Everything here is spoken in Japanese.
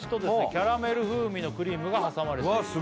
キャラメル風味のクリームが挟まれているわっ